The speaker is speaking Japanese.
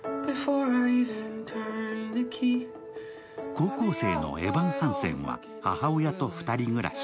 高校生のエヴァン・ハンセンは母親と２人暮らし。